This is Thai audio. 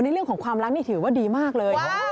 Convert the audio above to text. เรื่องของความรักนี่ถือว่าดีมากเลย